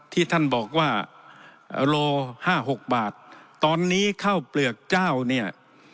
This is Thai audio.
ที่ท่านบอกว่าโลห้าหกบาทตอนนี้ข้าวเปลือกเจ้าเนี่ย